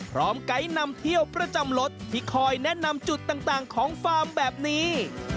ไกด์นำเที่ยวประจำรถที่คอยแนะนำจุดต่างของฟาร์มแบบนี้